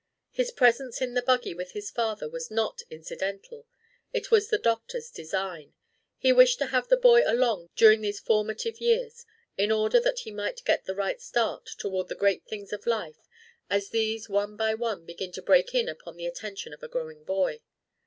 His presence in the buggy with his father was not incidental; it was the doctor's design. He wished to have the boy along during these formative years in order that he might get the right start toward the great things of life as these one by one begin to break in upon the attention of a growing boy.